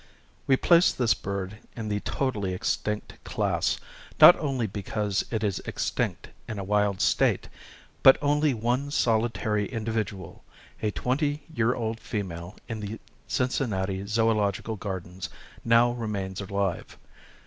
We place this bird in the totally extinct class, not only because it is extinct in a wild state, but only one solitary individual, a twenty year old female in the Cincinnati Zoological Gardens, now remains alive.